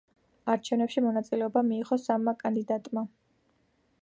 არჩევნებში მონაწილეობა მიიღო სამმა კანდიდატმა.